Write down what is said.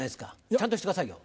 ちゃんとしてくださいよ。